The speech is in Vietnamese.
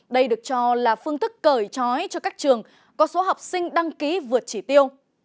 đây được cho là phương thức cởi trói cho các trường có số học sinh đăng ký vượt chỉ tiêu